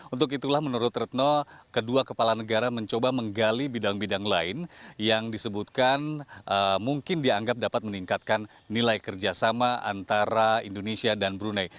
untuk itulah menurut retno kedua kepala negara mencoba menggali bidang bidang lain yang disebutkan mungkin dianggap dapat meningkatkan nilai kerjasama antara indonesia dan brunei